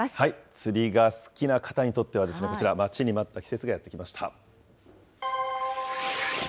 釣りが好きな方にとってはこちら、待ちに待った季節がやって来ました。